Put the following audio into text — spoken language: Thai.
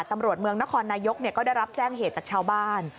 ตำรวจเมืองนครนายกก็ได้รับแจ้งเหตุจากชาวบ้าน